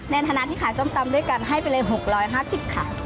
ในฐานะที่ขายส้มตำด้วยกันให้ไปเลย๖๕๐ค่ะ